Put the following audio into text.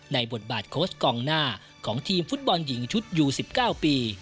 บทบาทโค้ชกองหน้าของทีมฟุตบอลหญิงชุดยู๑๙ปี